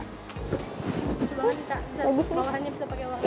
coba nih kak kalau bahannya bisa pakai wangi